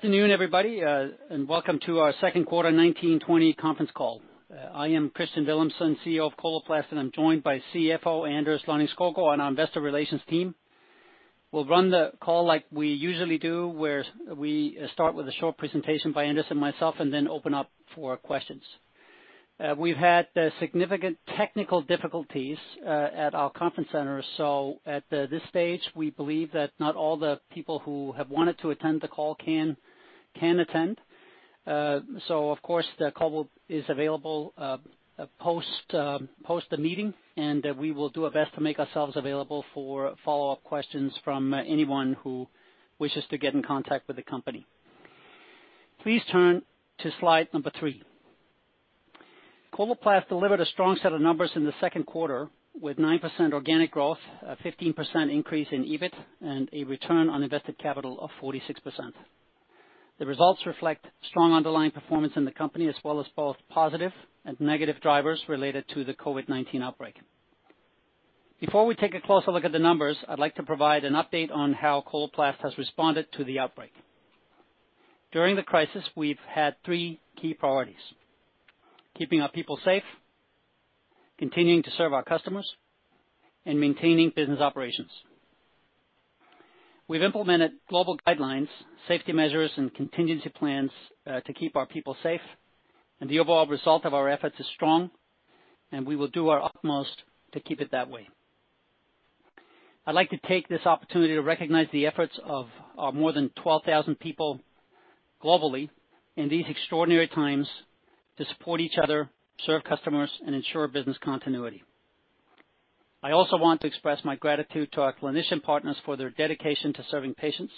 Good afternoon, everybody, and welcome to our second quarter 2019/2020 conference call. I am Kristian Villumsen, CEO of Coloplast, and I'm joined by CFO Anders Lonning-Skovgaard, and our investor relations team. We'll run the call like we usually do, where we start with a short presentation by Anders and myself, and then open up for questions. We've had significant technical difficulties at our conference center, so at this stage, we believe that not all the people who have wanted to attend the call can attend. Of course, the call is available post, post the meeting, and we will do our best to make ourselves available for follow-up questions from anyone who wishes to get in contact with the company. Please turn to slide number three. Coloplast delivered a strong set of numbers in the second quarter, with 9% organic growth, a 15% increase in EBIT, and a return on invested capital of 46%. The results reflect strong underlying performance in the company, as well as both positive and negative drivers related to the COVID-19 outbreak. Before we take a closer look at the numbers, I'd like to provide an update on how Coloplast has responded to the outbreak. During the crisis, we've had three key priorities: keeping our people safe, continuing to serve our customers, and maintaining business operations. We've implemented global guidelines, safety measures, and contingency plans to keep our people safe, and the overall result of our efforts is strong, and we will do our utmost to keep it that way. I'd like to take this opportunity to recognize the efforts of our more than 12,000 people globally in these extraordinary times to support each other, serve customers, and ensure business continuity. I also want to express my gratitude to our clinician partners for their dedication to serving patients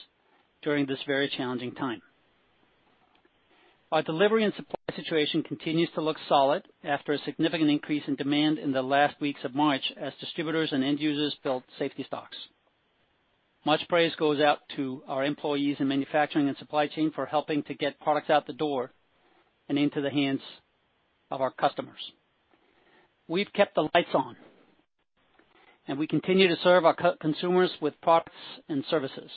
during this very challenging time. Our delivery and supply situation continues to look solid after a significant increase in demand in the last weeks of March, as distributors and end users built safety stocks. Much praise goes out to our employees in manufacturing and supply chain for helping to get products out the door and into the hands of our customers. We've kept the lights on. We continue to serve our consumers with products and services.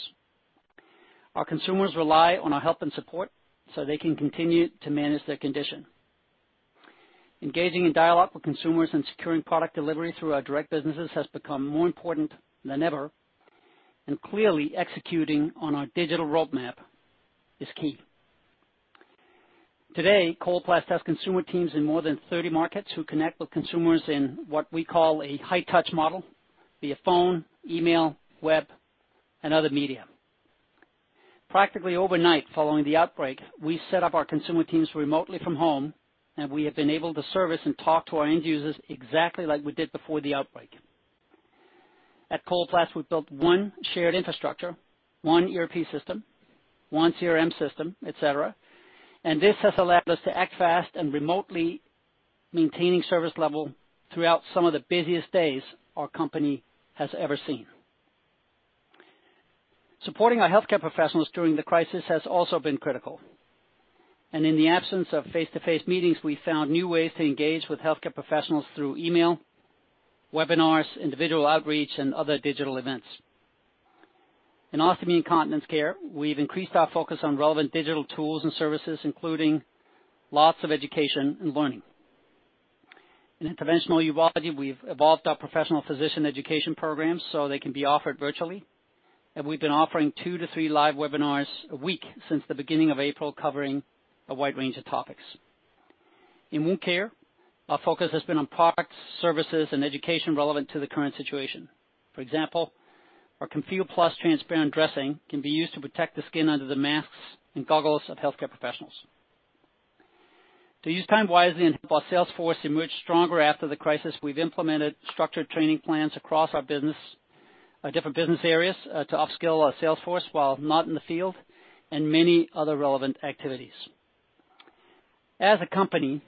Our consumers rely on our help and support. They can continue to manage their condition. Engaging in dialogue with consumers and securing product delivery through our direct businesses has become more important than ever, and clearly executing on our digital roadmap is key. Today, Coloplast has consumer teams in more than 30 markets, who connect with consumers in what we call a high-touch model, via phone, email, web, and other media. Practically overnight, following the outbreak, we set up our consumer teams remotely from home, and we have been able to service and talk to our end users exactly like we did before the outbreak. At Coloplast, we've built one shared infrastructure, one ERP system, one CRM system, et cetera, and this has allowed us to act fast and remotely, maintaining service level throughout some of the busiest days our company has ever seen. Supporting our healthcare professionals during the crisis has also been critical. In the absence of face-to-face meetings, we found new ways to engage with healthcare professionals through email, webinars, individual outreach, and other digital events. In Ostomy and Continence Care, we've increased our focus on relevant digital tools and services, including lots of education and learning. In Interventional Urology, we've evolved our professional physician education programs, so they can be offered virtually. We've been offering two to three live webinars a week since the beginning of April, covering a wide range of topics. In Wound Care, our focus has been on products, services, and education relevant to the current situation. For example, our Comfeel Plus transparent dressing can be used to protect the skin under the masks and goggles of healthcare professionals. To use time wisely and help our sales force emerge stronger after the crisis, we've implemented structured training plans across our business, different business areas, to upskill our sales force while not in the field, and many other relevant activities. As a company,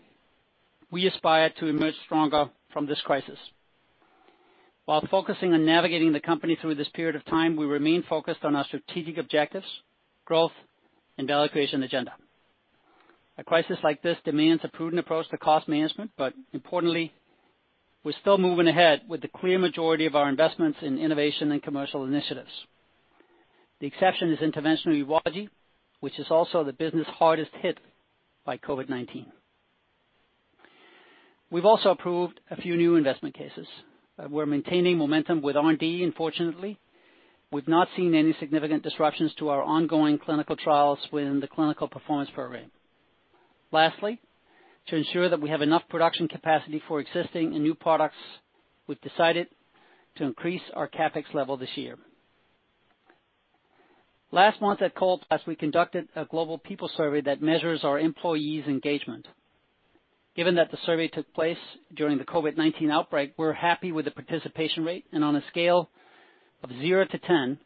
we aspire to emerge stronger from this crisis. While focusing on navigating the company through this period of time, we remain focused on our strategic objectives, growth, and value creation agenda. A crisis like this demands a prudent approach to cost management, but importantly, we're still moving ahead with the clear majority of our investments in innovation and commercial initiatives. The exception is Interventional Urology, which is also the business hardest hit by COVID-19. We've also approved a few new investment cases. We're maintaining momentum with R&D, fortunately, we've not seen any significant disruptions to our ongoing clinical trials within the clinical performance program. Lastly, to ensure that we have enough production capacity for existing and new products, we've decided to increase our CapEx level this year. Last month at Coloplast, we conducted a global people survey that measures our employees' engagement. Given that the survey took place during the COVID-19 outbreak, we're happy with the participation rate, on a scale of 0 to 10,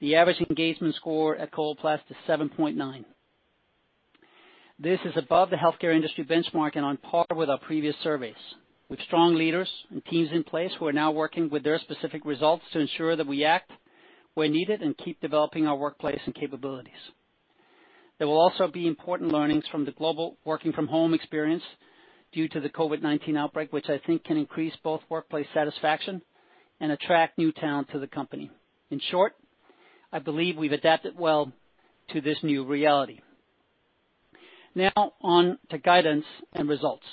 the average engagement score at Coloplast is 7.9. This is above the healthcare industry benchmark on par with our previous surveys. With strong leaders and teams in place, we're now working with their specific results to ensure that we act where needed and keep developing our workplace and capabilities. There will also be important learnings from the global working-from-home experience. due to the COVID-19 outbreak, which I think can increase both workplace satisfaction and attract new talent to the company. In short, I believe we've adapted well to this new reality. On to guidance and results.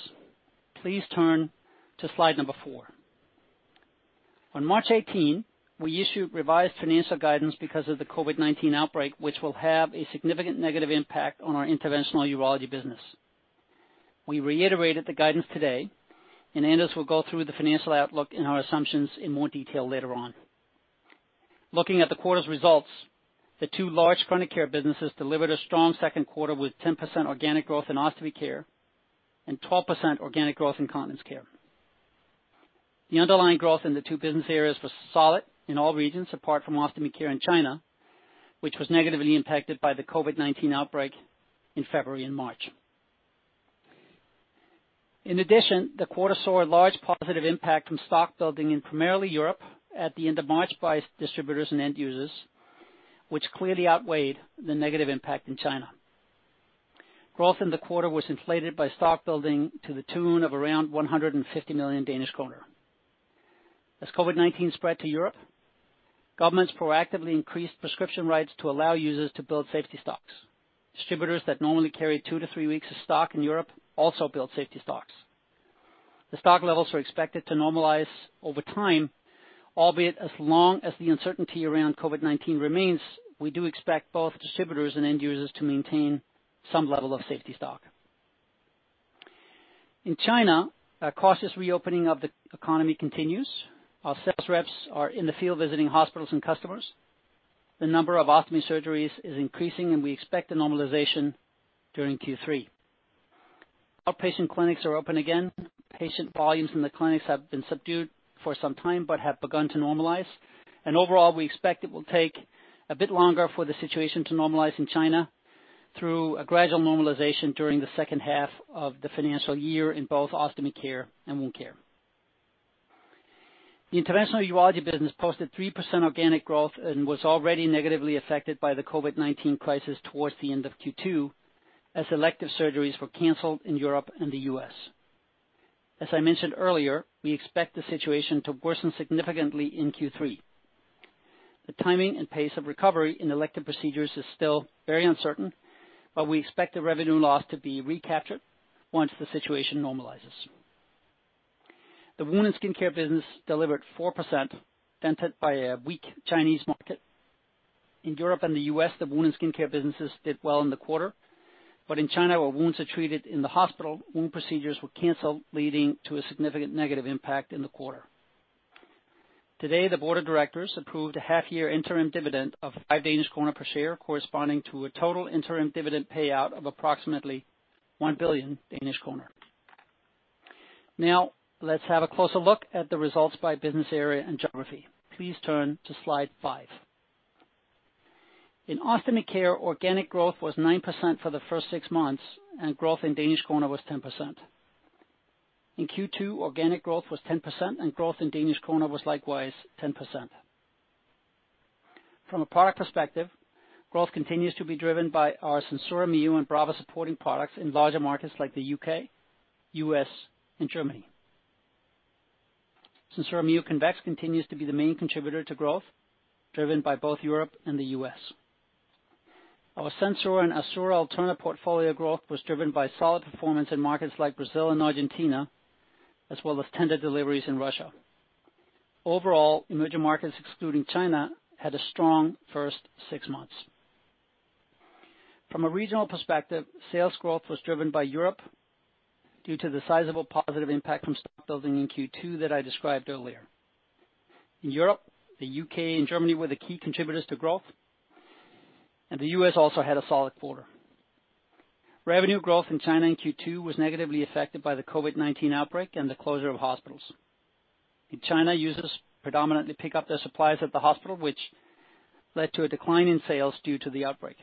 Please turn to slide number four. On March 18, we issued revised financial guidance because of the COVID-19 outbreak, which will have a significant negative impact on our Interventional Urology business. We reiterated the guidance today, and Anders will go through the financial outlook and our assumptions in more detail later on. Looking at the quarter's results, the two large chronic care businesses delivered a strong second quarter, with 10% organic growth in Ostomy Care and 12% organic growth in Continence Care. The underlying growth in the two business areas was solid in all regions, apart from Ostomy Care in China, which was negatively impacted by the COVID-19 outbreak in February and March. The quarter saw a large positive impact from stock building in primarily Europe at the end of March by distributors and end users, which clearly outweighed the negative impact in China. Growth in the quarter was inflated by stock building to the tune of around 150 million Danish kroner. COVID-19 spread to Europe, governments proactively increased prescription rates to allow users to build safety stocks. Distributors that normally carry two to three weeks of stock in Europe also built safety stocks. The stock levels are expected to normalize over time, albeit as long as the uncertainty around COVID-19 remains, we do expect both distributors and end users to maintain some level of safety stock. In China, a cautious reopening of the economy continues. Our sales reps are in the field visiting hospitals and customers. The number of ostomy surgeries is increasing, and we expect a normalization during Q3. Outpatient clinics are open again. Patient volumes in the clinics have been subdued for some time, but have begun to normalize, and overall, we expect it will take a bit longer for the situation to normalize in China through a gradual normalization during the second half of the financial year in both Ostomy Care and Wound Care. The Interventional Urology business posted 3% organic growth and was already negatively affected by the COVID-19 crisis towards the end of Q2, as elective surgeries were canceled in Europe and the U.S. As I mentioned earlier, we expect the situation to worsen significantly in Q3. The timing and pace of recovery in elective procedures is still very uncertain, but we expect the revenue loss to be recaptured once the situation normalizes. The Wound & Skin Care business delivered 4%, dented by a weak Chinese market. In Europe and the U.S., the Wound & Skin Care businesses did well in the quarter, but in China, where wounds are treated in the hospital, wound procedures were canceled, leading to a significant negative impact in the quarter. Today, the board of directors approved a half year interim dividend of 5 Danish krone per share, corresponding to a total interim dividend payout of approximately 1 billion Danish krone. Let's have a closer look at the results by business area and geography. Please turn to slide five. In Ostomy Care, organic growth was 9% for the first six months, and growth in Danish kroner was 10%. In Q2, organic growth was 10%, and growth in Danish kroner was likewise 10%. From a product perspective, growth continues to be driven by our SenSura Mio and Brava supporting products in larger markets like the U.K., U.S., and Germany. SenSura Mio Convex continues to be the main contributor to growth, driven by both Europe and the U.S. Our SenSura and Assura Alterna portfolio growth was driven by solid performance in markets like Brazil and Argentina, as well as tender deliveries in Russia. Overall, emerging markets, excluding China, had a strong first six months. From a regional perspective, sales growth was driven by Europe due to the sizable positive impact from stock building in Q2 that I described earlier. In Europe, the U.K. and Germany were the key contributors to growth, and the U.S. also had a solid quarter. Revenue growth in China in Q2 was negatively affected by the COVID-19 outbreak and the closure of hospitals. In China, users predominantly pick up their supplies at the hospital, which led to a decline in sales due to the outbreak.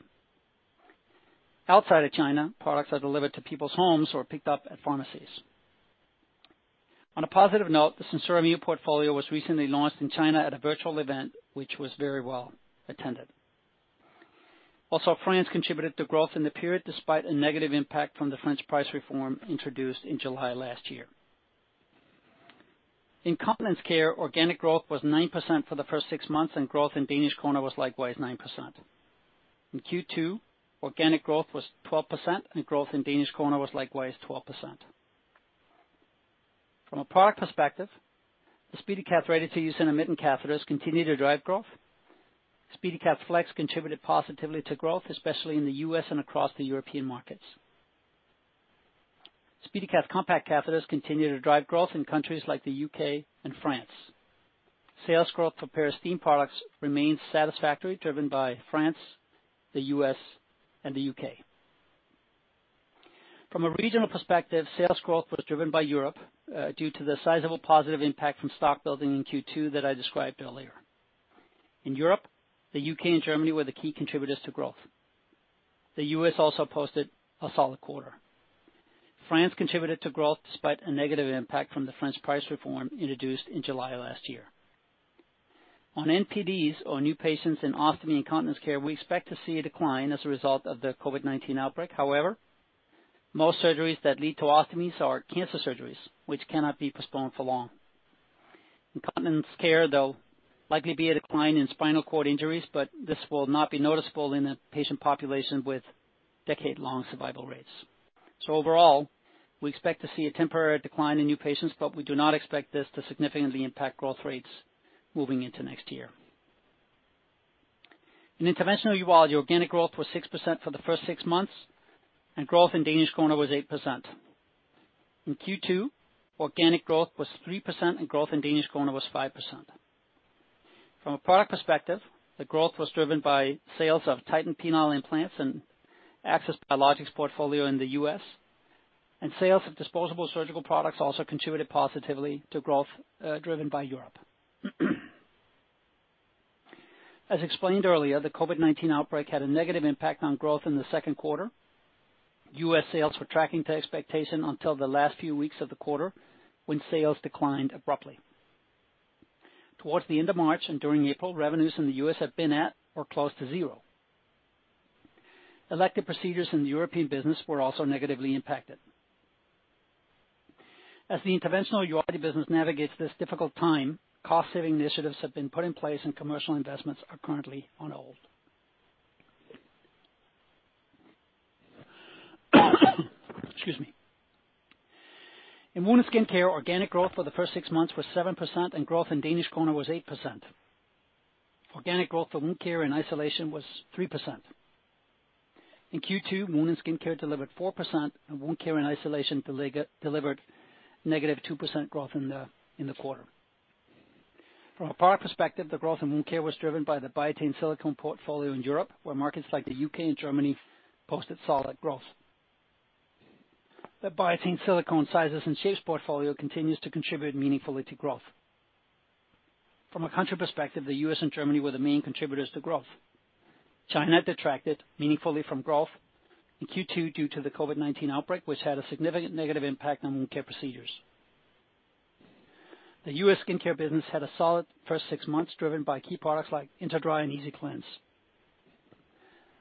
Outside of China, products are delivered to people's homes or picked up at pharmacies. On a positive note, the SenSura Mio portfolio was recently launched in China at a virtual event, which was very well attended. Also, France contributed to growth in the period, despite a negative impact from the French price reform introduced in July last year. In Continence Care, organic growth was 9% for the first six months, and growth in Danish kroner was likewise 9%. In Q2, organic growth was 12%, and growth in Danish kroner was likewise 12%. From a product perspective, the SpeediCath ready-to-use intermittent catheters continue to drive growth. SpeediCath Flex contributed positively to growth, especially in the U.S. and across the European markets. SpeediCath Compact catheters continue to drive growth in countries like the U.K. and France. Sales growth for Peristeen products remains satisfactory, driven by France, the U.S., and the U.K. From a regional perspective, sales growth was driven by Europe, due to the sizable positive impact from stock building in Q2 that I described earlier. In Europe, the U.K. and Germany were the key contributors to growth. The U.S. also posted a solid quarter. France contributed to growth, despite a negative impact from the French price reform introduced in July of last year. On NPDs or new patients in ostomy and continence care, we expect to see a decline as a result of the COVID-19 outbreak. However, most surgeries that lead to ostomies are cancer surgeries, which cannot be postponed for long. In continence care, there'll likely be a decline in spinal cord injuries, but this will not be noticeable in a patient population with decade-long survival rates. Overall, we expect to see a temporary decline in new patients, but we do not expect this to significantly impact growth rates moving into next year. In Interventional Urology, organic growth was 6% for the first six months, and growth in Danish kroner was 8%. In Q2, organic growth was 3% and growth in Danish kroner was 5%. From a product perspective, the growth was driven by sales of Titan penile implants and Axis Biologics portfolio in the U.S., and sales of disposable surgical products also contributed positively to growth, driven by Europe. As explained earlier, the COVID-19 outbreak had a negative impact on growth in the second quarter. U.S. sales were tracking to expectation until the last few weeks of the quarter, when sales declined abruptly. Towards the end of March and during April, revenues in the U.S. have been at or close to zero. Elective procedures in the European business were also negatively impacted. As the Interventional Urology business navigates this difficult time, cost-saving initiatives have been put in place and commercial investments are currently on hold. Excuse me. In Wound & Skin Care, organic growth for the first six months was 7%, and growth in Danish kroner was 8%. Organic growth for Wound Care in isolation was 3%. In Q2, Wound & Skin Care delivered 4%, and Wound Care in isolation delivered -2% growth in the quarter. From a product perspective, the growth in Wound Care was driven by the Biatain Silicone portfolio in Europe, where markets like the U.K. and Germany posted solid growth. The Biatain Silicone sizes and shapes portfolio continues to contribute meaningfully to growth. From a country perspective, the U.S. and Germany were the main contributors to growth. China detracted meaningfully from growth in Q2 due to the COVID-19 outbreak, which had a significant negative impact on Wound Care procedures. The U.S. Skin Care business had a solid first 6 months, driven by key products like InterDry and EasiCleanse.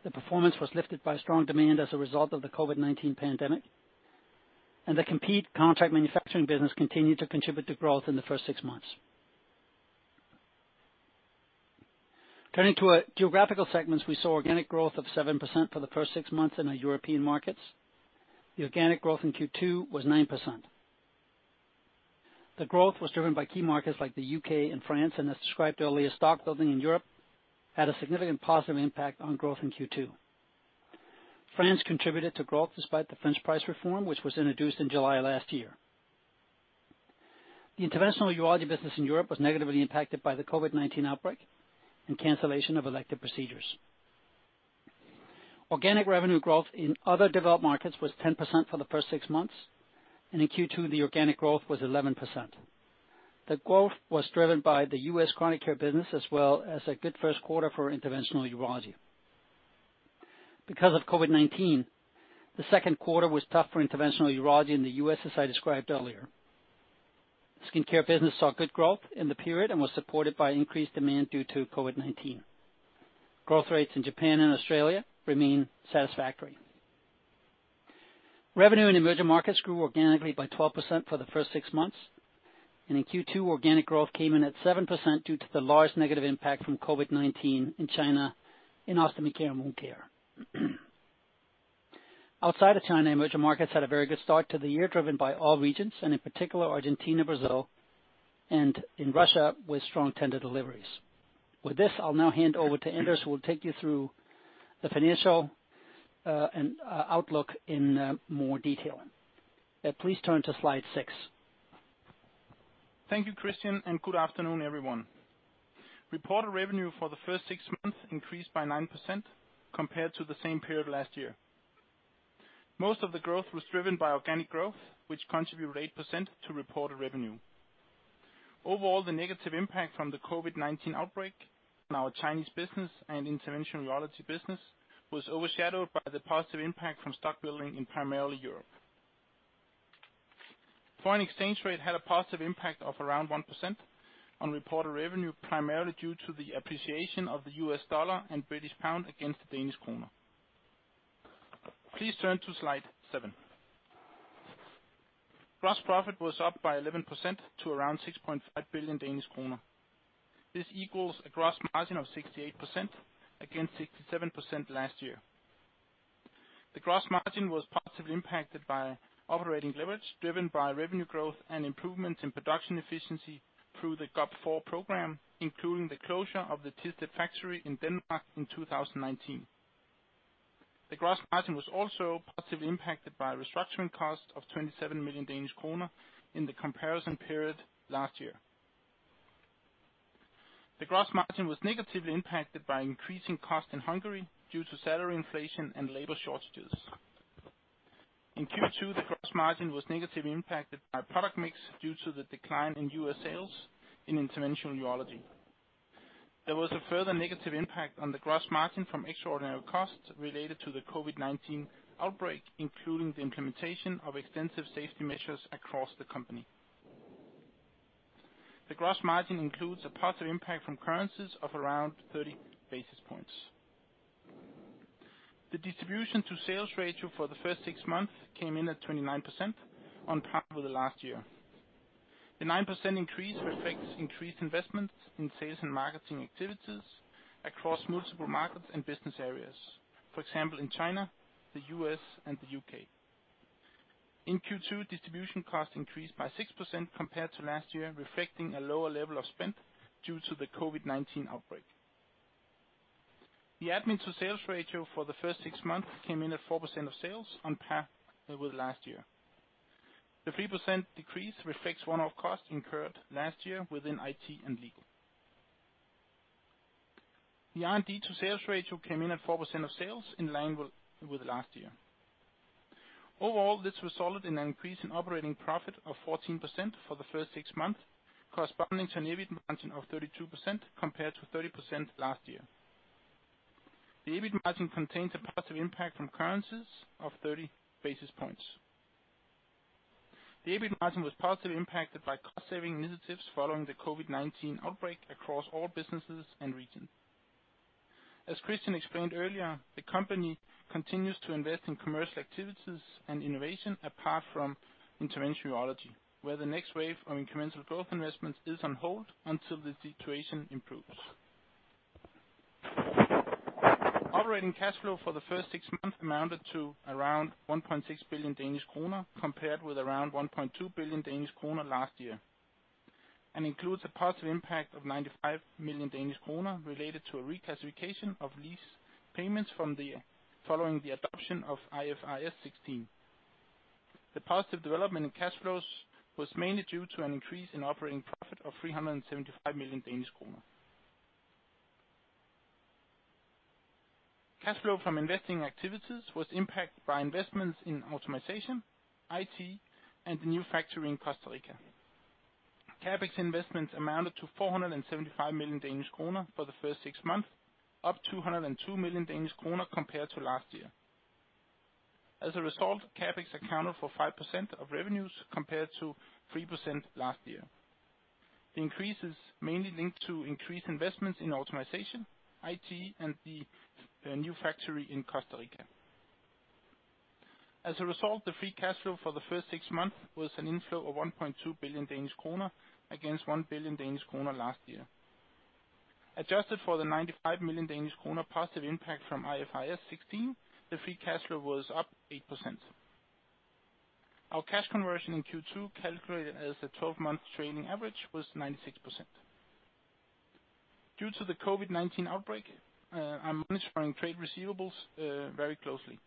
The performance was lifted by strong demand as a result of the COVID-19 pandemic, and the compete contract manufacturing business continued to contribute to growth in the first six months. Turning to our geographical segments, we saw organic growth of 7% for the first six months in our European markets. The organic growth in Q2 was 9%. The growth was driven by key markets like the U.K. and France, as described earlier, stock building in Europe had a significant positive impact on growth in Q2. France contributed to growth despite the French price reform, which was introduced in July last year. The Interventional Urology business in Europe was negatively impacted by the COVID-19 outbreak and cancellation of elective procedures. Organic revenue growth in other developed markets was 10% for the first six months, in Q2, the organic growth was 11%. The growth was driven by the U.S. chronic care business, as well as a good first quarter for Interventional Urology. Because of COVID-19, the second quarter was tough for Interventional Urology in the U.S., as I described earlier. Skin Care business saw good growth in the period and was supported by increased demand due to COVID-19. Growth rates in Japan and Australia remain satisfactory. Revenue in emerging markets grew organically by 12% for the first six months. In Q2, organic growth came in at 7% due to the large negative impact from COVID-19 in China, in Ostomy Care and Wound Care. Outside of China, emerging markets had a very good start to the year, driven by all regions, in particular Argentina, Brazil, and in Russia, with strong tender deliveries. With this, I'll now hand over to Anders, who will take you through the financial and outlook in more detail. Please turn to slide six. Thank you, Kristian, and good afternoon, everyone. Reported revenue for the first six months increased by 9% compared to the same period last year. Most of the growth was driven by organic growth, which contributed 8% to reported revenue. Overall, the negative impact from the COVID-19 outbreak on our Chinese business and Interventional Urology business was overshadowed by the positive impact from stock building in primarily Europe. Foreign exchange rate had a positive impact of around 1% on reported revenue, primarily due to the appreciation of the US dollar and British pound against the Danish kroner. Please turn to slide seven. Gross profit was up by 11% to around 6.5 billion Danish kroner. This equals a gross margin of 68% against 67% last year. The gross margin was positively impacted by operating leverage, driven by revenue growth and improvements in production efficiency through the GOP4 program, including the closure of the Thisted factory in Denmark in 2019. The gross margin was also positively impacted by restructuring costs of 27 million Danish kroner in the comparison period last year. The gross margin was negatively impacted by increasing costs in Hungary due to salary inflation and labor shortages. In Q2, the gross margin was negatively impacted by product mix due to the decline in U.S. sales in Interventional Urology. There was a further negative impact on the gross margin from extraordinary costs related to the COVID-19 outbreak, including the implementation of extensive safety measures across the company. The gross margin includes a positive impact from currencies of around 30 basis points. The distribution to sales ratio for the first six months came in at 29%, on par with last year. The 9% increase reflects increased investments in sales and marketing activities across multiple markets and business areas. For example, in China, the U.S., and the U.K. In Q2, distribution costs increased by 6% compared to last year, reflecting a lower level of spend due to the COVID-19 outbreak. The admin to sales ratio for the first six months came in at 4% of sales, on par with last year. The 3% decrease reflects one-off costs incurred last year within IT and legal. The R&D to sales ratio came in at 4% of sales, in line with last year. Overall, this resulted in an increase in operating profit of 14% for the first six months, corresponding to an EBIT margin of 32% compared to 30% last year. The EBIT margin contains a positive impact from currencies of 30 basis points. The EBIT margin was positively impacted by cost-saving initiatives following the COVID-19 outbreak across all businesses and regions. As Kristian explained earlier, the company continues to invest in commercial activities and innovation, apart from Interventional Urology, where the next wave of incremental growth investments is on hold until the situation improves. Operating cash flow for the first six months amounted to around 1.6 billion Danish kroner, compared with around 1.2 billion Danish kroner last year, and includes a positive impact of 95 million Danish kroner related to a reclassification of lease payments following the adoption of IFRS 16. The positive development in cash flows was mainly due to an increase in operating profit of 375 million Danish kroner. Cash flow from investing activities was impacted by investments in automatization, IT, and the new factory in Costa Rica. CapEx investments amounted to 475 million Danish kroner for the first six months, up 202 million Danish kroner compared to last year. As a result, CapEx accounted for 5% of revenues, compared to 3% last year. The increase is mainly linked to increased investments in automatization, IT, and the new factory in Costa Rica. As a result, the free cash flow for the first six months was an inflow of 1.2 billion Danish kroner, against 1 billion Danish kroner last year. Adjusted for the 95 million Danish kroner positive impact from IFRS 16, the free cash flow was up 8%. Our cash conversion in Q2, calculated as a 12-month trailing average, was 96%. Due to the COVID-19 outbreak, I'm monitoring trade receivables very closely.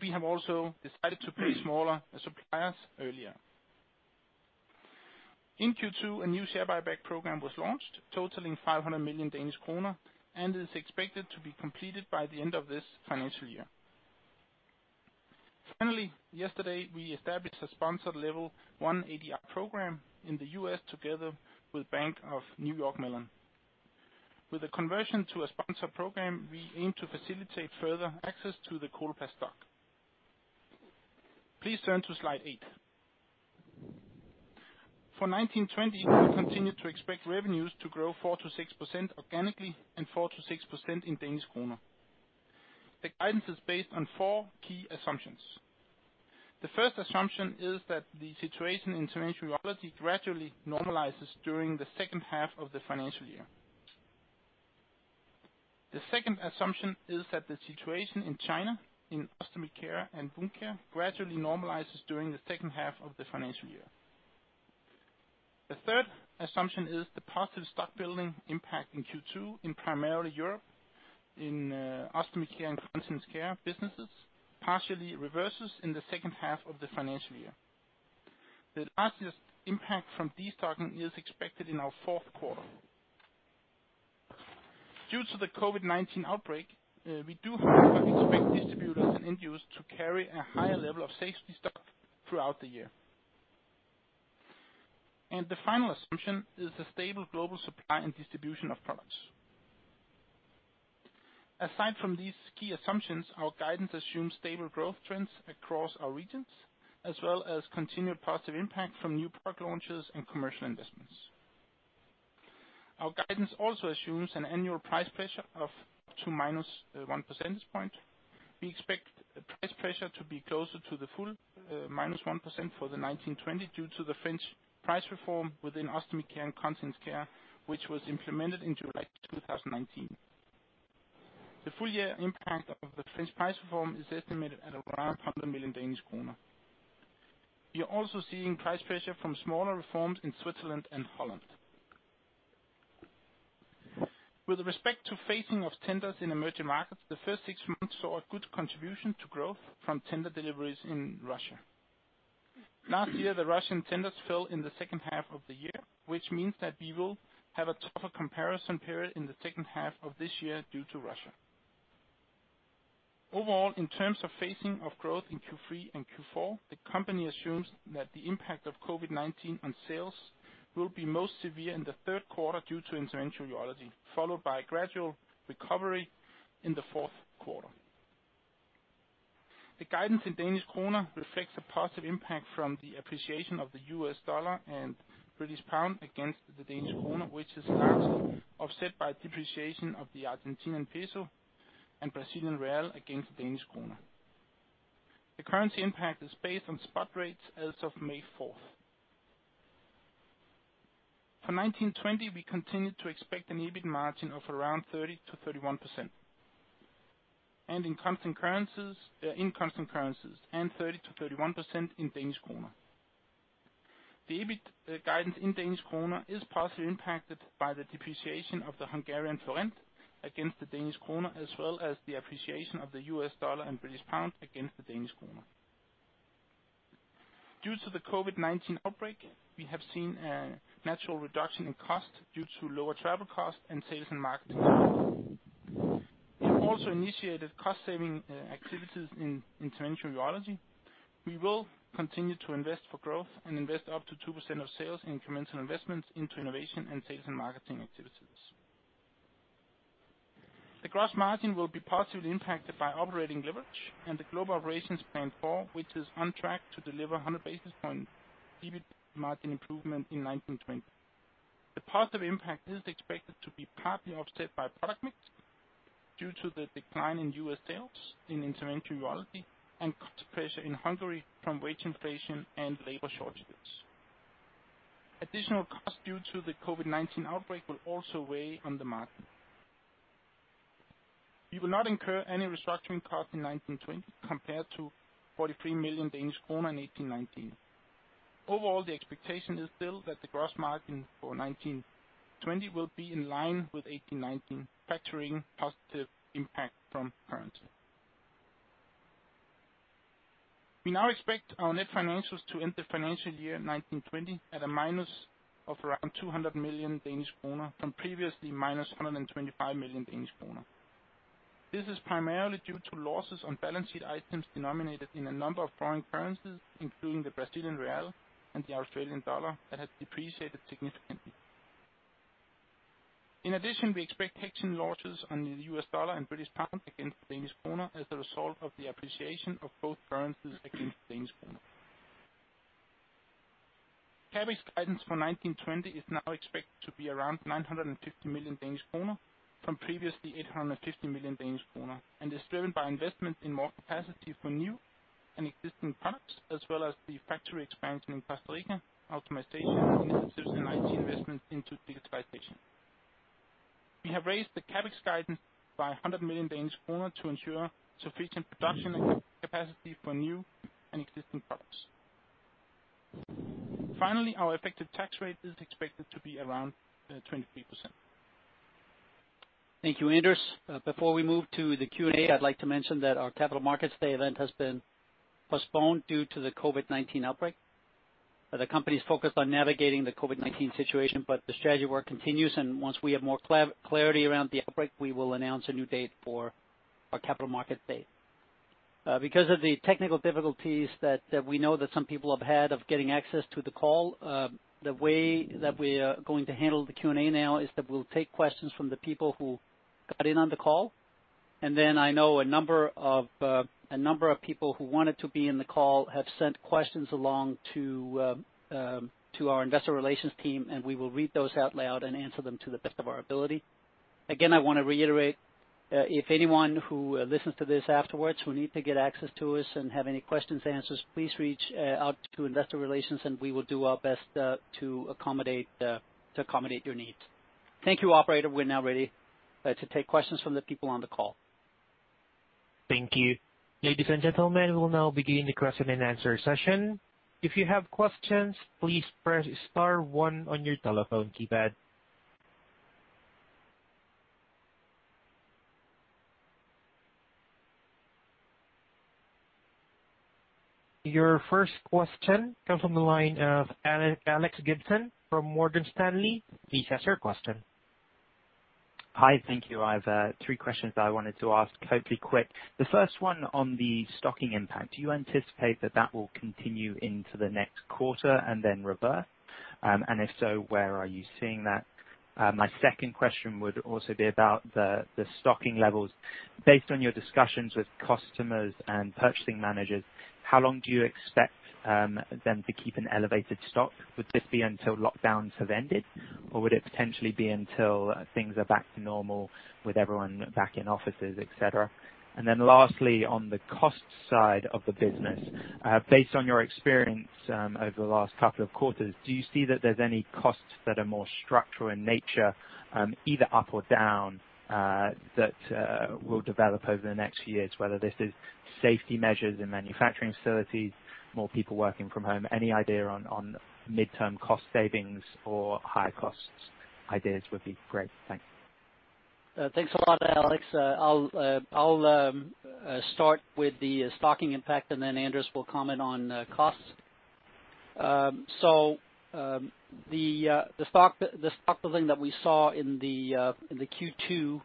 We have also decided to pay smaller suppliers earlier. In Q2, a new share buyback program was launched, totaling 500 million Danish kroner, and is expected to be completed by the end of this financial year. Finally, yesterday, we established a sponsored Level 1 ADR program in the U.S. together with Bank of New York Mellon. With a conversion to a sponsored program, we aim to facilitate further access to the Coloplast stock. Please turn to slide eight. For 2019/2020, we continue to expect revenues to grow 4%-6% organically and 4%-6% in DKK. The guidance is based on four key assumptions. The first assumption is that the situation in Interventional Urology gradually normalizes during the second half of the financial year. The second assumption is that the situation in China, in Ostomy Care and Wound Care, gradually normalizes during the second half of the financial year. The third assumption is the positive stock building impact in Q2, in primarily Europe, in Ostomy Care and Continence Care businesses, partially reverses in the second half of the financial year. The largest impact from destocking is expected in our fourth quarter. Due to the COVID-19 outbreak, we do, however, expect distributors and end users to carry a higher level of safety stock throughout the year. The final assumption is the stable global supply and distribution of products. Aside from these key assumptions, our guidance assumes stable growth trends across our regions, as well as continued positive impact from new product launches and commercial investments. Our guidance also assumes an annual price pressure of up to -1 percentage point. We expect the price pressure to be closer to the full -1% for the 2019/2020 due to the French price reform within Ostomy Care and Continence Care, which was implemented in July 2019. The full year impact of the French price reform is estimated at around 100 million Danish kroner. We are also seeing price pressure from smaller reforms in Switzerland and Holland. With respect to phasing of tenders in emerging markets, the first six months saw a good contribution to growth from tender deliveries in Russia. Last year, the Russian tenders fell in the second half of the year, which means that we will have a tougher comparison period in the second half of this year due to Russia. Overall, in terms of phasing of growth in Q3 and Q4, the company assumes that the impact of COVID-19 on sales will be most severe in the third quarter due to Interventional Urology, followed by a gradual recovery in the fourth quarter. The guidance in Danish kroner reflects a positive impact from the appreciation of the US dollar and British pound against the Danish kroner, which is partly offset by depreciation of the Argentinian peso and Brazilian real against the Danish kroner. The currency impact is based on spot rates as of May 4. For 2019/2020, we continue to expect an EBIT margin of around 30%-31% in constant currencies, and 30%-31% in Danish kroner. The EBIT guidance in Danish kroner is partially impacted by the depreciation of the Hungarian forint against the Danish kroner, as well as the appreciation of the US dollar and British pound against the Danish kroner. Due to the COVID-19 outbreak, we have seen a natural reduction in cost due to lower travel costs and sales and marketing. We've also initiated cost saving activities in Interventional Urology. We will continue to invest for growth and invest up to 2% of sales in incremental investments into innovation and sales and marketing activities. The gross margin will be positively impacted by operating leverage and the Global Operations Plan 4, which is on track to deliver 100 basis point EBIT margin improvement in 2019/2020. The positive impact is expected to be partly offset by product mix due to the decline in U.S. sales in Interventional Urology and cost pressure in Hungary from wage inflation and labor shortages. Additional costs due to the COVID-19 outbreak will also weigh on the margin. We will not incur any restructuring costs in 2019/2020, compared to 43 million Danish kroner in 18/19. Overall, the expectation is still that the gross margin for 2019/2020 will be in line with 18/19, factoring positive impact from currency. We now expect our net financials to end the financial year 2019/2020 at a minus of around 200 million Danish kroner, from previously -125 million Danish kroner. This is primarily due to losses on balance sheet items denominated in a number of foreign currencies, including the Brazilian real and the Australian dollar, that has depreciated significantly. We expect hedging losses on the US dollar and British pound against the Danish kroner as a result of the appreciation of both currencies against the Danish kroner. CapEx guidance for 2019/2020 is now expected to be around 950 million Danish kroner, from previously 850 million Danish kroner, and is driven by investment in more capacity for new and existing products, as well as the factory expansion in Tatabánya, optimization initiatives and IT investments into digitization. We have raised the CapEx guidance by 100 million Danish kroner to ensure sufficient production capacity for new and existing products. Finally, our effective tax rate is expected to be around 23%. Thank you, Anders. Before we move to the Q&A, I'd like to mention that our Capital Markets Day event has been postponed due to the COVID-19 outbreak. The company is focused on navigating the COVID-19 situation, but the strategy work continues, and once we have more clarity around the outbreak, we will announce a new date for our Capital Markets Day. Because of the technical difficulties that we know that some people have had of getting access to the call, the way that we are going to handle the Q&A now is that we'll take questions from the people who got in on the call, and then I know a number of people who wanted to be in the call have sent questions along to our investor relations team, and we will read those out loud and answer them to the best of our ability. Again, I want to reiterate, if anyone who listens to this afterwards will need to get access to us and have any questions, answers, please reach out to investor relations, and we will do our best to accommodate your needs. Thank you, operator. We're now ready to take questions from the people on the call. Thank you. Ladies and gentlemen, we will now begin the question-and-answer session. If you have questions, please press star one on your telephone keypad. Your first question comes on the line of Alex Gibson from Morgan Stanley. Please ask your question. Hi, thank you. I have three questions that I wanted to ask, hopefully quick. The first one on the stocking impact: Do you anticipate that that will continue into the next quarter and then reverse? If so, where are you seeing that? My second question would also be about the stocking levels. Based on your discussions with customers and purchasing managers, how long do you expect them to keep an elevated stock? Would this be until lockdowns have ended, or would it potentially be until things are back to normal with everyone back in offices, et cetera? Lastly, on the cost side of the business, based on your experience, over the last couple of quarters, do you see that there's any costs that are more structural in nature, either up or down, that will develop over the next few years? Whether this is safety measures in manufacturing facilities, more people working from home, any idea on midterm cost savings or higher costs? Ideas would be great. Thank you. Thanks a lot, Alex. I'll start with the stocking impact, and then Anders will comment on costs. The stock building that we saw in the Q2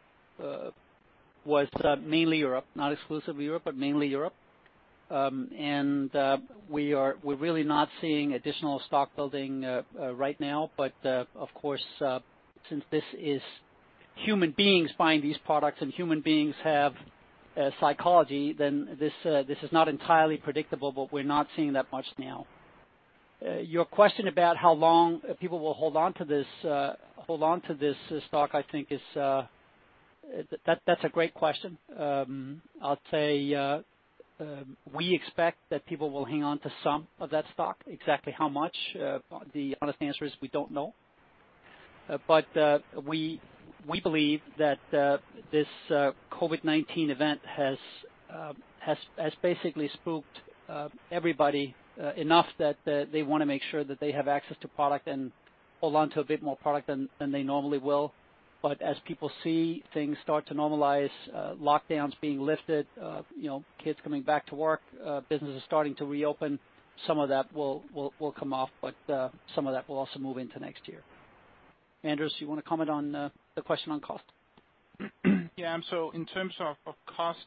was mainly Europe, not exclusively Europe, but mainly Europe. We're really not seeing additional stock building right now. Of course, since this is human beings buying these products, and human beings have psychology, then this is not entirely predictable, but we're not seeing that much now. Your question about how long people will hold on to this stock, I think is that's a great question. I'll say, we expect that people will hang on to some of that stock. Exactly how much? The honest answer is we don't know. We believe that this COVID-19 event has basically spooked everybody enough that they want to make sure that they have access to product and hold on to a bit more product than they normally will. As people see things start to normalize, lockdowns being lifted, you know, kids coming back to work, businesses starting to reopen, some of that will come off, but some of that will also move into next year. Anders, you want to comment on the question on cost? Yeah, in terms of cost,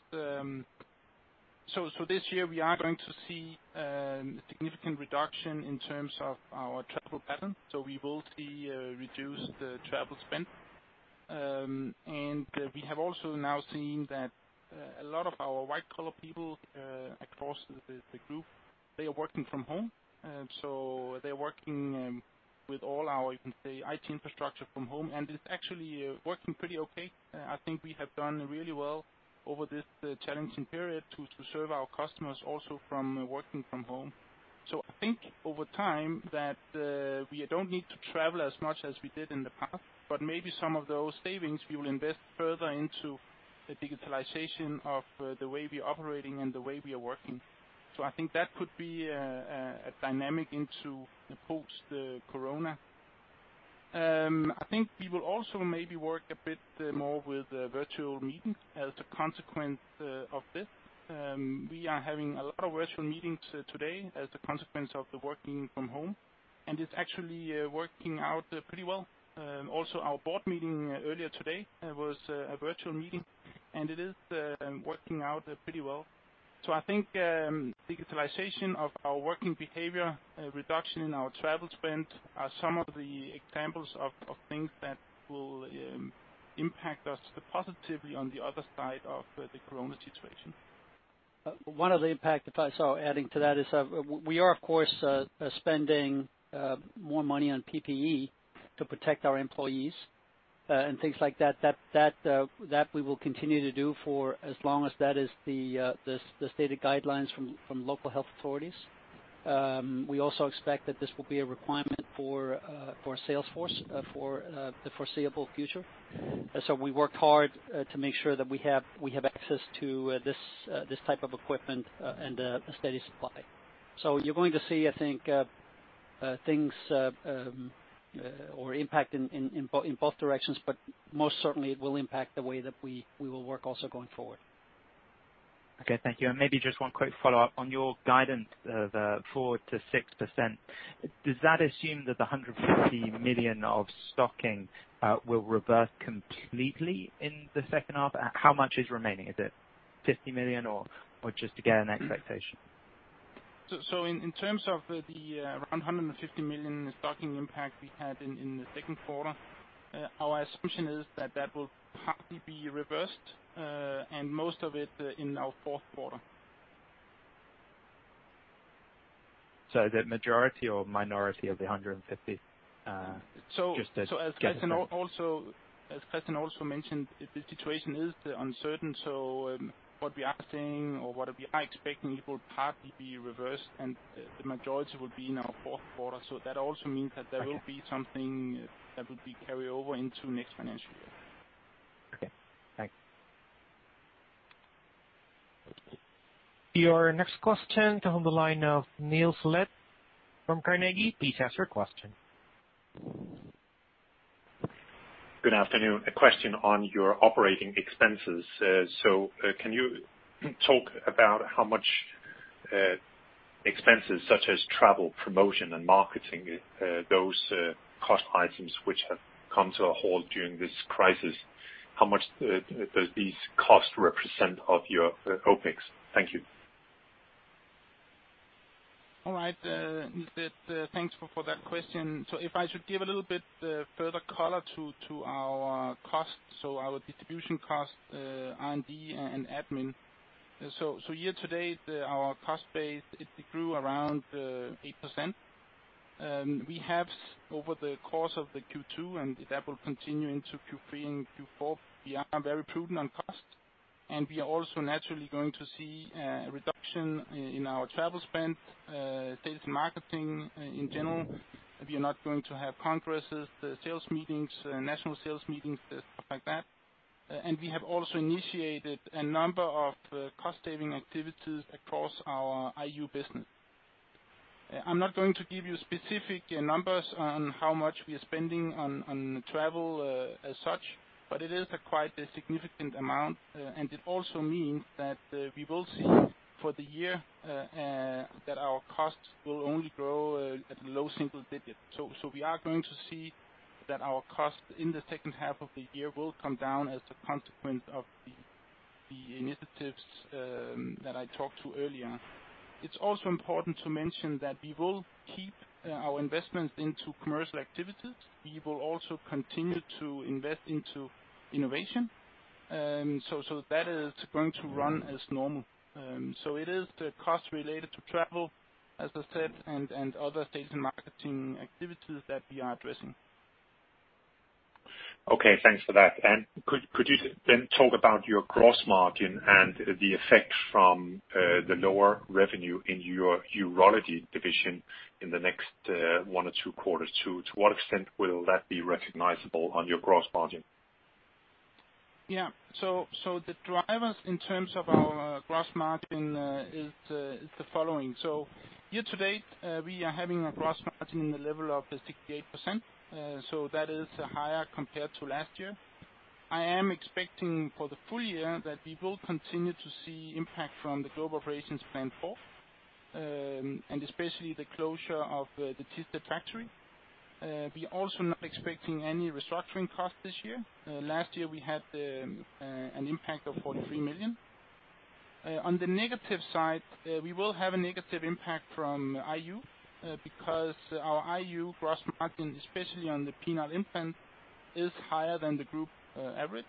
this year, we are going to see significant reduction in terms of our travel pattern, so we will see reduced travel spend. We have also now seen that a lot of our white-collar people across the group, they are working from home. They're working with all our, you can say, IT infrastructure from home, and it's actually working pretty okay. I think we have done really well over this challenging period to serve our customers also from working from home. I think over time, that we don't need to travel as much as we did in the past, but maybe some of those savings we will invest further into the digitalization of the way we are operating and the way we are working. I think that could be a dynamic into the post-corona. I think we will also maybe work a bit more with virtual meetings as a consequence of this. We are having a lot of virtual meetings today as a consequence of the working from home, and it's actually working out pretty well. Also, our board meeting earlier today was a virtual meeting, and it is working out pretty well. I think digitalization of our working behavior, reduction in our travel spend are some of the examples of things that will impact us positively on the other side of the corona situation. One other impact, if I saw adding to that, is, we are, of course, spending more money on PPE to protect our employees, and things like that. That we will continue to do for as long as that is the stated guidelines from local health authorities. We also expect that this will be a requirement for sales force, for the foreseeable future. We worked hard to make sure that we have access to this type of equipment, and a steady supply. You're going to see, I think, things, or impact in both directions, but most certainly it will impact the way that we will work also going forward. Okay, thank you. Maybe just one quick follow-up. On your guidance of 4%-6%, does that assume that the 150 million of stocking will reverse completely in the second half? How much is remaining? Is it 50 million or just to get an expectation? In terms of the around 150 million stocking impact we had in the second quarter, our assumption is that that will partly be reversed and most of it in our fourth quarter. Is it majority or minority of the 150? As Kristian also mentioned, the situation is uncertain. What we are saying or what we are expecting, it will partly be reversed, and the majority will be in our fourth quarter. That also means that. Okay. Will be something that will be carry over into next financial year. Okay, thanks. Your next question comes on the line of Niels Granholm-Leth from Carnegie. Please ask your question. Good afternoon. A question on your operating expenses. Can you talk about how much expenses such as travel, promotion, and marketing, those cost items which have come to a halt during this crisis, how much does these costs represent of your OpEx? Thank you. All right, Niels Granholm-Leth, thanks for that question. If I should give a little bit further color to our costs, our distribution cost, R&D and admin. Year to date, our cost base, it grew around 8%. We have over the course of the Q2, and that will continue into Q3 and Q4, we are very prudent on cost, and we are also naturally going to see a reduction in our travel spend, sales and marketing in general. We are not going to have congresses, sales meetings, national sales meetings, stuff like that. We have also initiated a number of cost-saving activities across our IU business. I'm not going to give you specific numbers on how much we are spending on travel as such, but it is a quite a significant amount, and it also means that we will see for the year that our costs will only grow at low single digits. We are going to see that our cost in the second half of the year will come down as a consequence of the initiatives that I talked to earlier. It's also important to mention that we will keep our investments into commercial activities. We will also continue to invest into innovation. That is going to run as normal. It is the cost related to travel, as I said, and other sales and marketing activities that we are addressing. Okay, thanks for that. Could you then talk about your gross margin and the effect from the lower revenue in your urology division in the next one or two quarters? To what extent will that be recognizable on your gross margin? The drivers in terms of our gross margin is the following: year to date, we are having a gross margin in the level of 68%. That is higher compared to last year. I am expecting for the full year that we will continue to see impact from the Global Operations Plan 4, especially the closure of the factory. We also not expecting any restructuring costs this year. Last year, we had an impact of 43 million. On the negative side, we will have a negative impact from IU, because our IU gross margin, especially on the penile implant, is higher than the group average.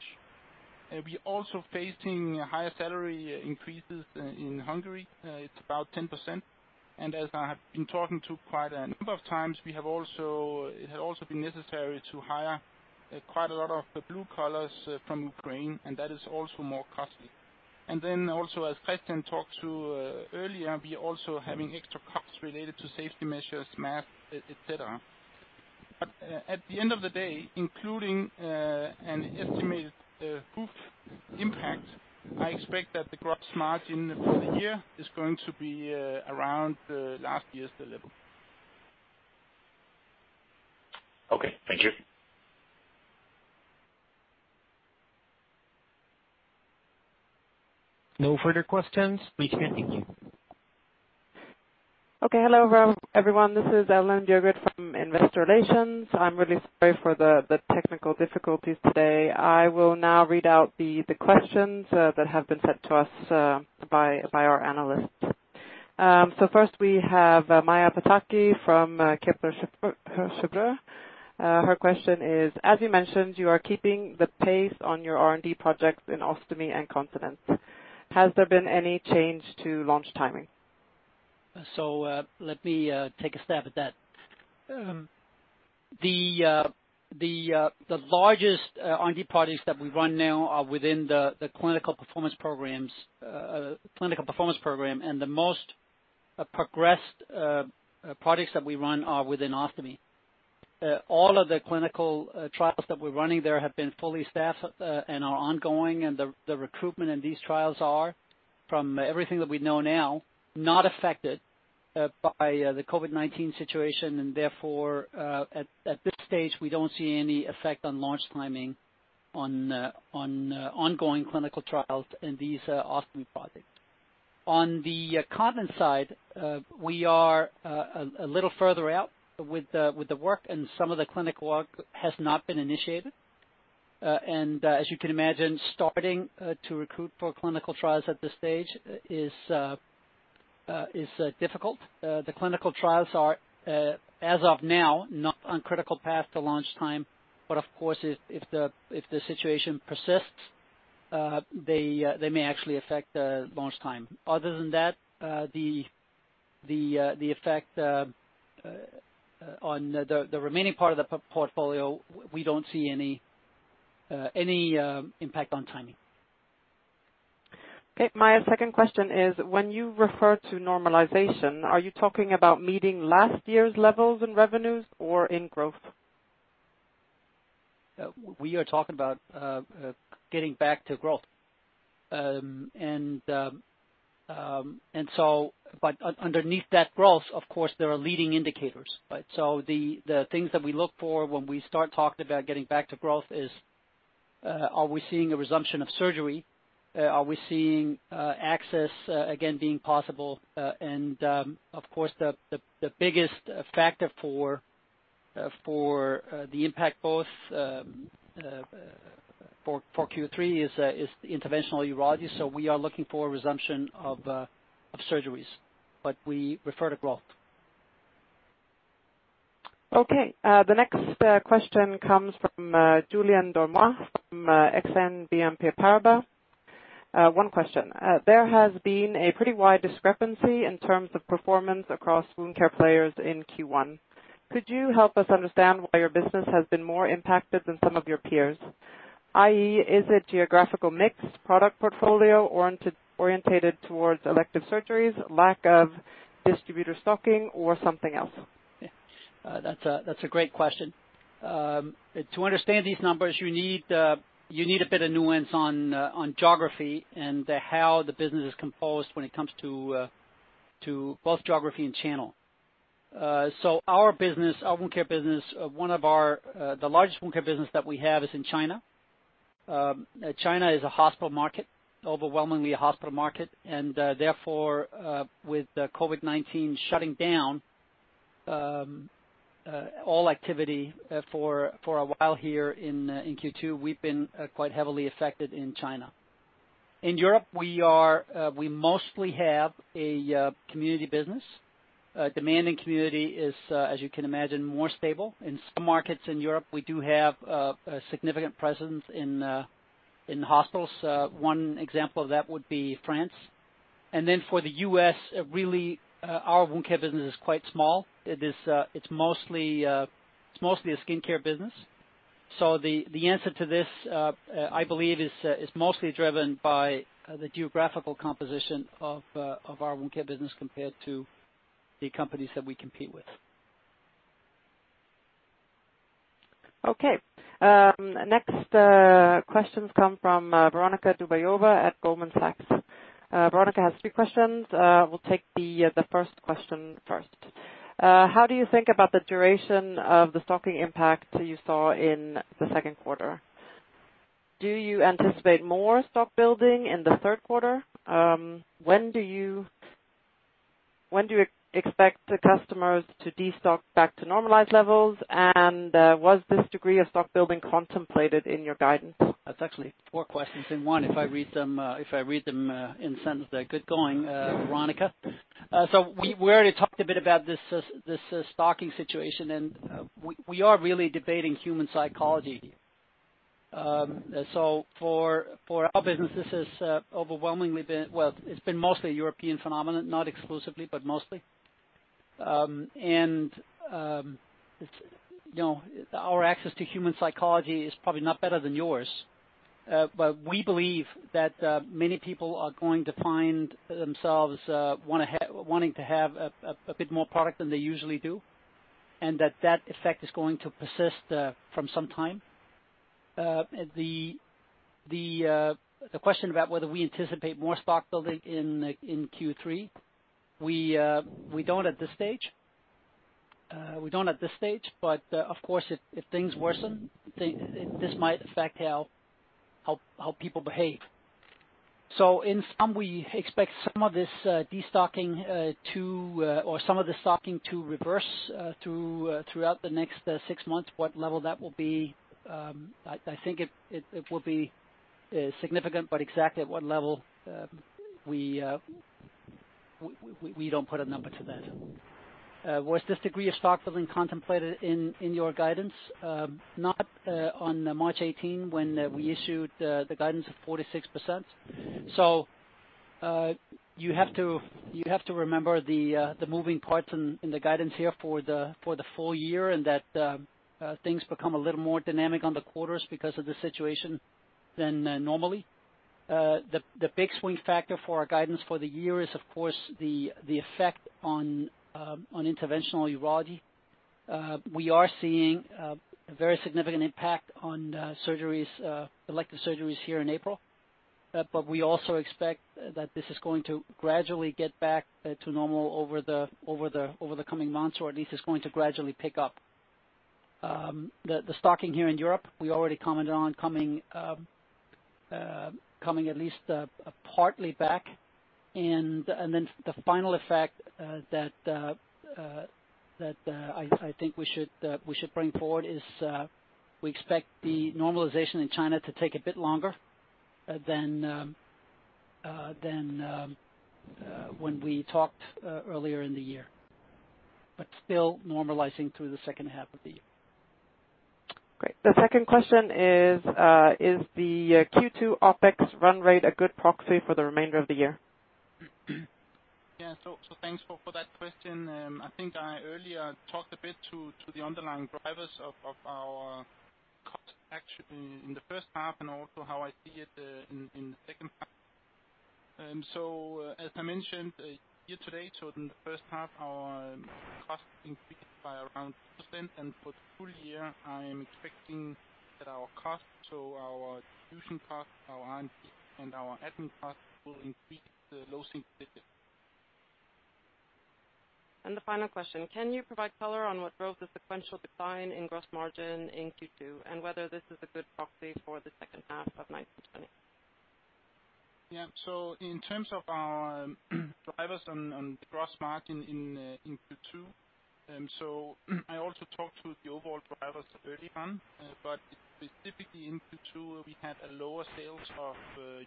We also facing higher salary increases in Hungary. It's about 10%. As I have been talking to quite a number of times, it has also been necessary to hire quite a lot of the blue collars from Ukraine, and that is also more costly. As Kristian talked to earlier, we're also having extra costs related to safety measures, masks, etcetera. At the end of the day, including an estimated impact, I expect that the gross margin for the year is going to be around last year's level. Okay, thank you. No further questions. We can thank you. Okay, hello, everyone. This is Ellen Bjurgert from Investor Relations. I'm really sorry for the technical difficulties today. I will now read out the questions that have been sent to us by our analysts. First we have Maja Pataki from Kepler Cheuvreux. Her question is: As you mentioned, you are keeping the pace on your R&D projects in Ostomy and Continence. Has there been any change to launch timing? Let me take a stab at that. The largest R&D projects that we run now are within the clinical performance program, and the most progressed projects that we run are within Ostomy. All of the clinical trials that we're running there have been fully staffed and are ongoing, and the recruitment in these trials are, from everything that we know now, not affected by the COVID-19 situation. Therefore, at this stage, we don't see any effect on launch timing on ongoing clinical trials in these Ostomy projects. On the Continence side, we are a little further out with the work, and some of the clinical work has not been initiated. As you can imagine, starting to recruit for clinical trials at this stage is difficult. The clinical trials are as of now, not on critical path to launch time, but of course, if the situation persists, they may actually affect the launch time. Other than that, the effect on the remaining part of the portfolio, we don't see any impact on timing. Okay. My second question is, when you refer to normalization, are you talking about meeting last year's levels in revenues or in growth? We are talking about getting back to growth. But underneath that growth, of course, there are leading indicators, right? The things that we look for when we start talking about getting back to growth is, are we seeing a resumption of surgery? Are we seeing access again being possible? Of course, the biggest factor for the impact both for Q3 is the Interventional Urology. We are looking for a resumption of surgeries, but we refer to growth. Okay. The next question comes from Julien Dormois from Exane BNP Paribas. One question: There has been a pretty wide discrepancy in terms of performance across Wound Care players in Q1. Could you help us understand why your business has been more impacted than some of your peers? i.e., is it geographical mix, product portfolio, orientated towards elective surgeries, lack of distributor stocking, or something else? Yeah. That's a great question. To understand these numbers, you need a bit of nuance on geography and how the business is composed when it comes to both geography and channel. Our business, our Wound Care business, the largest Wound Care business that we have is in China. China is a hospital market, overwhelmingly a hospital market. Therefore, with the COVID-19 shutting down all activity for a while here in Q2, we've been quite heavily affected in China. In Europe, we mostly have a community business. Demand in community is, as you can imagine, more stable. In some markets in Europe, we do have a significant presence in hospitals. t would be France. For the U.S., really, our Wound Care business is quite small. It is mostly a skincare business. The answer to this, I believe, is mostly driven by the geographical composition of our Wound Care business compared to the companies that we compete with Okay. Next, questions come from Veronika Dubajova at Goldman Sachs. Veronika has three questions. We'll take the first question first. How do you think about the duration of the stocking impact you saw in the second quarter. Do you anticipate more stock building in the third quarter? When do you expect the customers to destock back to normalized levels? Was this degree of stock building contemplated in your guidance? That's actually four questions in one, if I read them, in sentence. Good going, Veronika. We already talked a bit about this stocking situation, and we are really debating human psychology. For our business, well, it's been mostly a European phenomenon, not exclusively, but mostly. It's, you know, our access to human psychology is probably not better than yours, but we believe that many people are going to find themselves wanting to have a bit more product than they usually do, and that that effect is going to persist for some time. The question about whether we anticipate more stock building in Q3, we don't at this stage. We don't at this stage. Of course, if things worsen, this might affect how people behave. In sum, we expect some of this destocking to or some of the stocking to reverse throughout the next six months. What level that will be, I think it will be significant, exactly at what level we don't put a number to that. Was this degree of stock building contemplated in your guidance? Not on March 18 when we issued the guidance of 4%-6%. You have to remember the moving parts in the guidance here for the full year, and that things become a little more dynamic on the quarters because of the situation than normally. The big swing factor for our guidance for the year is, of course, the effect on Interventional Urology. We are seeing a very significant impact on surgeries, elective surgeries here in April. We also expect that this is going to gradually get back to normal over the coming months, or at least it's going to gradually pick up. The stocking here in Europe, we already commented on coming at least partly back. Then the final effect that I think we should bring forward is, we expect the normalization in China to take a bit longer than when we talked earlier in the year, but still normalizing through the second half of the year. Great. The second question is the Q2 OpEx run rate a good proxy for the remainder of the year? Thanks for that question. I think I earlier talked a bit to the underlying drivers of our cost actually in the first half and also how I see it in the second half. As I mentioned, year to date, in the first half, our cost increased by around 2%. For the full year, I am expecting that our cost, so our distribution cost, our R&D, and our admin cost, will increase the low single digits. The final question: Can you provide color on what drove the sequential decline in gross margin in Q2, and whether this is a good proxy for the second half of 2019/2020? Yeah. In terms of our drivers on gross margin in Q2, I also talked to the overall drivers early on, but specifically in Q2, we had a lower sales of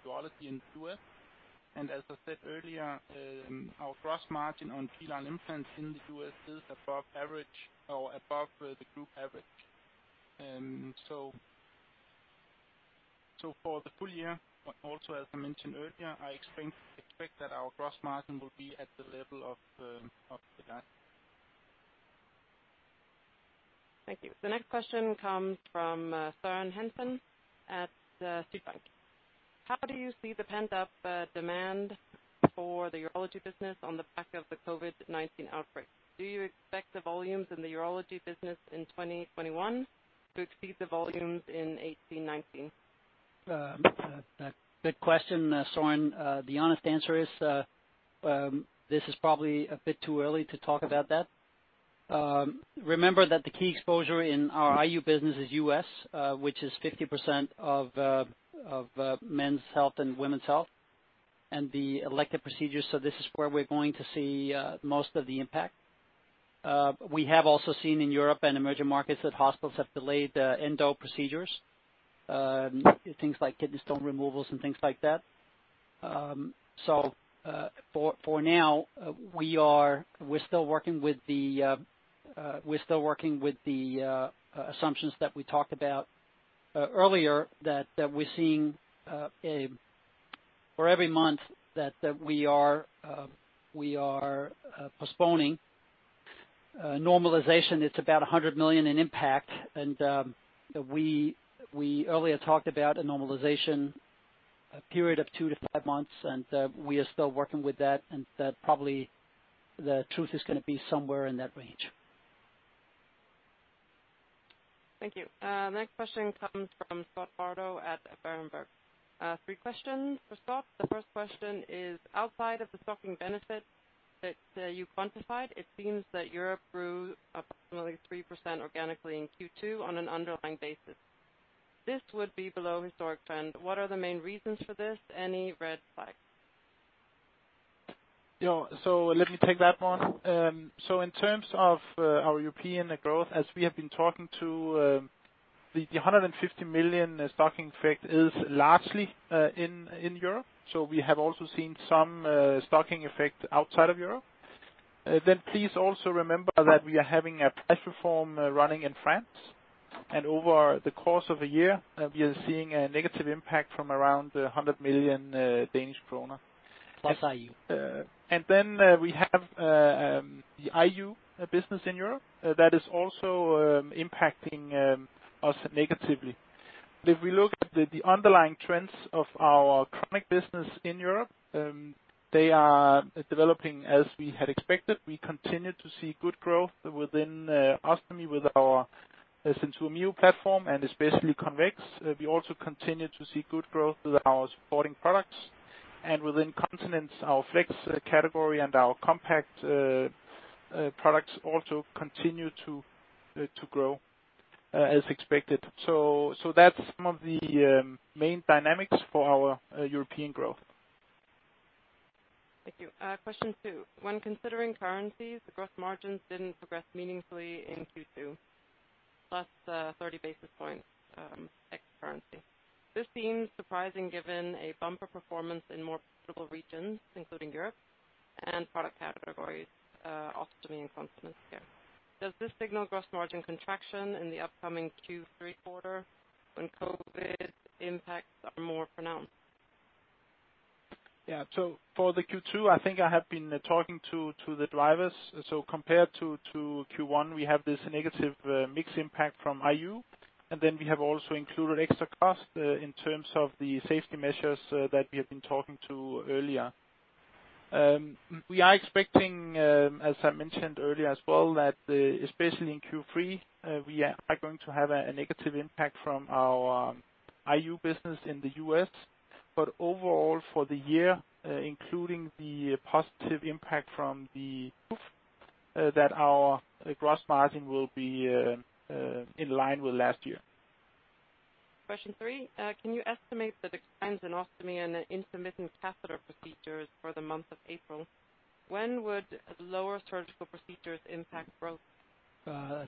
urology in U.S. As I said earlier, our gross margin on penile implants in the U.S. is above average or above the group average. For the full year, also as I mentioned earlier, I expect that our gross margin will be at the level of the guide. Thank you. The next question comes from Soren Hansen at Sydbank. How do you see the pent-up demand for the urology business on the back of the COVID-19 outbreak? Do you expect the volumes in the urology business in 2021 to exceed the volumes in 2018/2019? Good question, Soren. The honest answer is, this is probably a bit too early to talk about that. Remember that the key exposure in our IU business is U.S., which is 50% of men's health and women's health and the elective procedures, so this is where we're going to see most of the impact. We have also seen in Europe and emerging markets that hospitals have delayed endo procedures, things like kidney stone removals and things like that. For now, we're still working with the assumptions that we talked about earlier, that we're seeing for every month that we are postponing normalization, it's about 100 million in impact. We earlier talked about a normalization, a period of 2 to 5 months, and we are still working with that, and that probably the truth is gonna be somewhere in that range. Thank you. Next question comes from Scott Bardo at Berenberg. Three questions for Scott. The first question is, outside of the stocking benefit that you quantified, it seems that Europe grew approximately 3% organically in Q2 on an underlying basis. This would be below historic trend. What are the main reasons for this? Any red flags? Let me take that one. In terms of our European growth, as we have been talking to, the 150 million stocking effect is largely in Europe. We have also seen some stocking effect outside of Europe. Please also remember that we are having a price reform running in France, and over the course of a year, we are seeing a negative impact from around 100 million Danish kroner. Plus IU. We have the IU business in Europe that is also impacting us negatively. If we look at the underlying trends of our chronic business in Europe, they are developing as we had expected. We continue to see good growth within ostomy with our SenSura Mio platform and especially Convex. We also continue to see good growth with our supporting products, and within continence, our flex category and our compact products also continue to grow as expected. That's some of the main dynamics for our European growth. Thank you. Question two: When considering currencies, the gross margins didn't progress meaningfully in Q2, plus 30 basis points, ex currency. This seems surprising given a bumper performance in more profitable regions, including Europe and product categories, Ostomy and Continence Care. Does this signal gross margin contraction in the upcoming Q3 quarter when COVID impacts are more pronounced? For the Q2, I think I have been talking to the drivers. Compared to Q1, we have this negative mix impact from IU, and then we have also included extra cost in terms of the safety measures that we have been talking to earlier. We are expecting, as I mentioned earlier as well, that especially in Q3, we are going to have a negative impact from our IU business in the U.S. Overall, for the year, including the positive impact from the proof, that our gross margin will be in line with last year. Question three: Can you estimate the declines in ostomy and intermittent catheter procedures for the month of April? When would lower surgical procedures impact growth?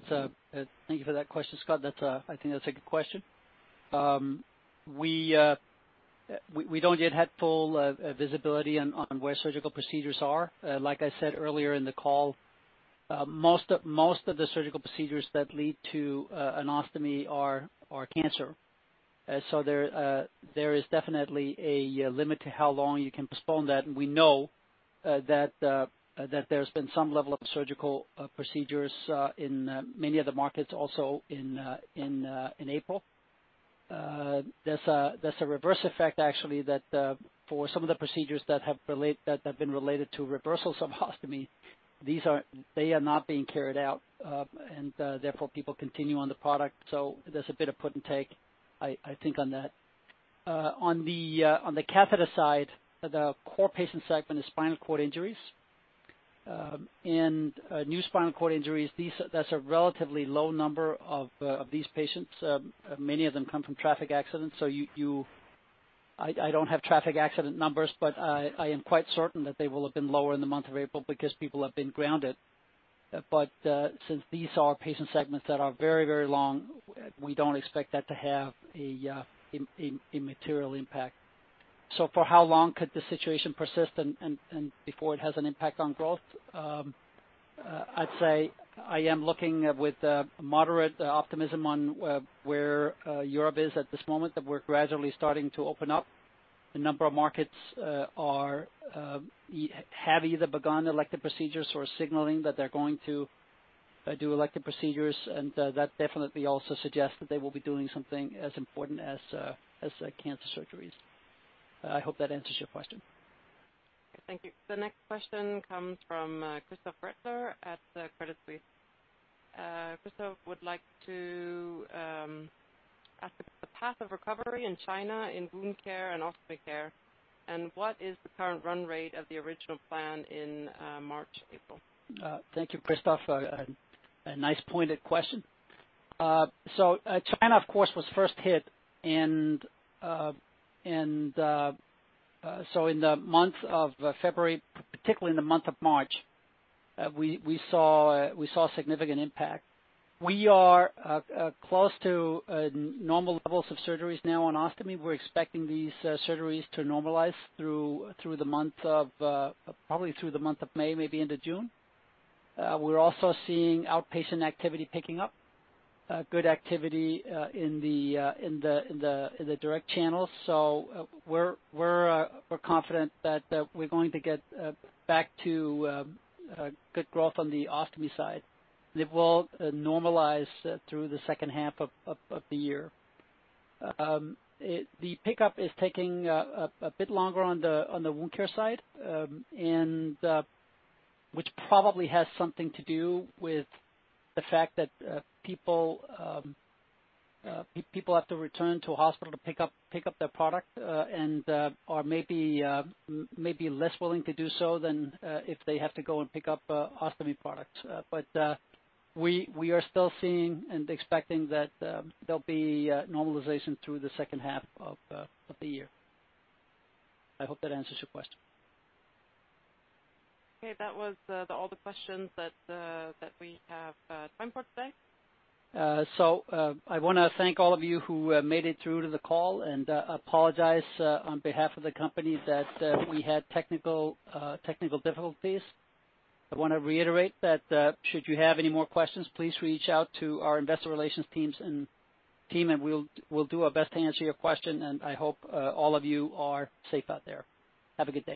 Thank you for that question, Scott. That's I think that's a good question. We don't yet have full visibility on where surgical procedures are. Like I said earlier in the call, most of the surgical procedures that lead to an ostomy are cancer. There is definitely a limit to how long you can postpone that, and we know that there's been some level of surgical procedures in many of the markets also in April. That's a reverse effect, actually, that for some of the procedures that have been related to reversal of ostomy, they are not being carried out, and therefore, people continue on the product. There's a bit of give and take, I think, on that. On the catheter side, the core patient segment is spinal cord injuries. And new spinal cord injuries, that's a relatively low number of these patients. Many of them come from traffic accidents. I don't have traffic accident numbers, I am quite certain that they will have been lower in the month of April because people have been grounded. Since these are patient segments that are very long, we don't expect that to have an immaterial impact. For how long could this situation persist and before it has an impact on growth? I'd say I am looking with moderate optimism on where Europe is at this moment, that we're gradually starting to open up. A number of markets have either begun elective procedures or are signaling that they're going to do elective procedures, and that definitely also suggests that they will be doing something as important as cancer surgeries. I hope that answers your question. Thank you. The next question comes from Christoph Gretler at Credit Suisse. Christoph would like to ask about the path of recovery in China, in Wound Care and Ostomy Care, and what is the current run rate of the original plan in March, April? Thank you, Christoph. A nice pointed question. China, of course, was first hit. In the month of February, particularly in the month of March, we saw significant impact. We are close to normal levels of surgeries now on ostomy. We're expecting these surgeries to normalize through the month of, probably through the month of May, maybe into June. We're also seeing outpatient activity picking up, good activity, in the direct channels. We're confident that we're going to get back to good growth on the ostomy side. It will normalize through the second half of the year. The pickup is taking a bit longer on the Wound Care side, which probably has something to do with the fact that people have to return to a hospital to pick up their product, or maybe less willing to do so than if they have to go and pick up Ostomy products. We are still seeing and expecting that there'll be normalization through the second half of the year. I hope that answers your question. Okay. That was all the questions that we have time for today. I want to thank all of you who made it through to the call and apologize on behalf of the company that we had technical difficulties. I want to reiterate that should you have any more questions, please reach out to our investor relations teams and team, and we'll do our best to answer your question, and I hope all of you are safe out there. Have a good day.